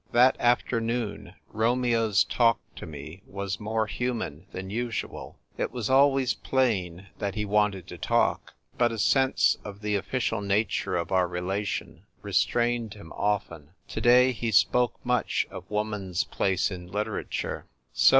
That afternoon Romeo's talk to me was more human than usual. It was always plain that he wan* ed to talk, but a sense of the official nature of our relation restrained him often. To day he spoke much of woman's place in literature.